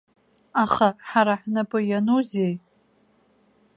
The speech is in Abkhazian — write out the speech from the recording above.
Аха ҳара ҳнапы ианузеи?